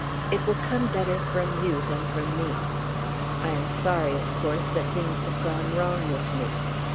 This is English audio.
It will come better from you than from me. I am sorry, of course, that things have gone wrong with me.